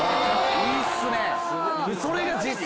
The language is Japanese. いいっすね。